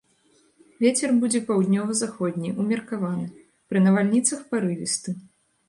Вецер будзе паўднёва-заходні, умеркаваны, пры навальніцах парывісты.